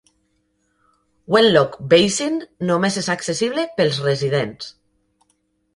Wenlock Basin només és accessible pels residents.